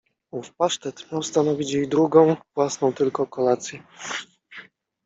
Ów pasztet miał stanowić jej drugą — własną tylko kolację!